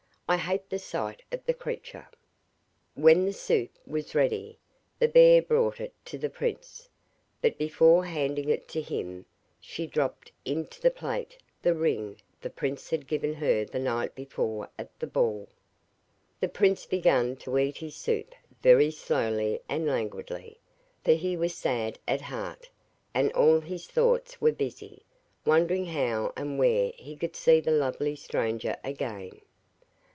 I hate the sight of the creature!' When the soup was ready, the bear brought it to the prince; but before handing it to him, she dropped into the plate the ring the prince had given her the night before at the ball. The prince began to eat his soup very slowly and languidly, for he was sad at heart, and all his thoughts were busy, wondering how and where he could see the lovely stranger again.